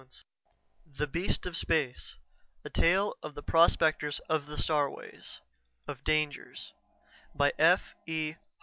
net The BEAST of SPACE _A tale of the prospectors of the starways of dangers _ by F. E.